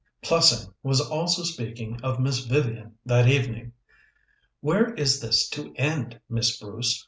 II Plessing was also speaking of Miss Vivian that evening. "Where is this to end, Miss Bruce?